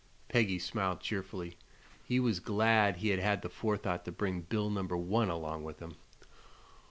Peggy smiled cheerfully. He was glad he had had the forethought to bring Bill No. 1 along with him.